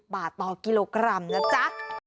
บาทต่อกิโลกรัมนะจ๊ะ